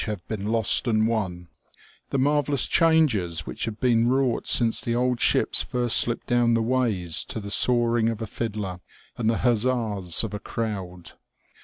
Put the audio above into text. have been lost and won, the marvellous changes which have been wrought since the old ships first slipped down the ways to the sawing of a fiddler and the huzzas of a crowd.